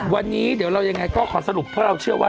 วันนี้เดี๋ยวเรายังไงก็ขอสรุปเพราะเราเชื่อว่า